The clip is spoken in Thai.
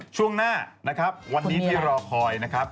ช่วงหน้านะครับวันนี้ที่รอคอยนะครับ